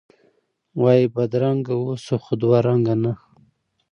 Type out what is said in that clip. وایی بدرنګه اوسه، خو دوه رنګه نه!